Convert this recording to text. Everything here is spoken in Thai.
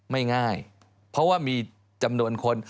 ไม่ง่ายเพราะว่ามีจำนวนคน